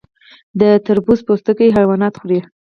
د تربوز پوستکي حیوانات خوري.